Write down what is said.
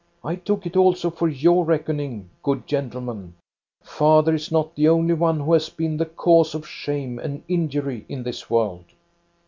* I took it also for your reckoning, good gentlemen. Father is not the only one who has been the cause of shame and injury in this world.'